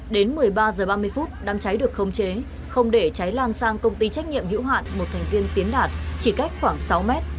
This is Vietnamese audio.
đến một mươi ba h ba mươi đám trái được không chế không để trái lan sang công ty trách nhiệm hữu hạn một thành viên tiến đạt chỉ cách khoảng sáu m